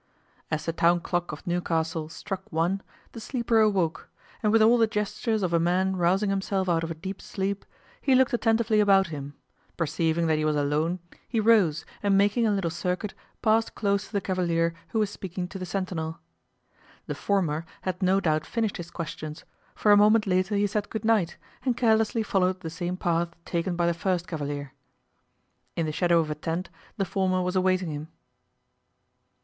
As the town clock of Newcastle struck one the sleeper awoke, and with all the gestures of a man rousing himself out of deep sleep he looked attentively about him; perceiving that he was alone he rose and making a little circuit passed close to the cavalier who was speaking to the sentinel. The former had no doubt finished his questions, for a moment later he said good night and carelessly followed the same path taken by the first cavalier. In the shadow of a tent the former was awaiting him.